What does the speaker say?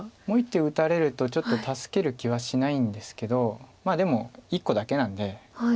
もう１手打たれるとちょっと助ける気はしないんですけどまあでも１個だけなんで。